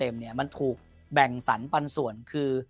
มันถูกแบ่งสรรปันส่วนคือ